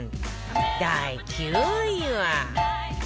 第９位は